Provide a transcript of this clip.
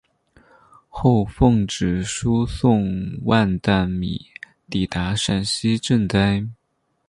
后奉旨输送万石米抵达陕西赈灾。